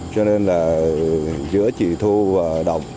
cho nên là giữa chị thu và động